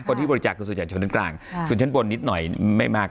คนที่บริจาคคือส่วนใหญ่ชนชั้นกลางชนชั้นบนนิดหน่อยไม่มาก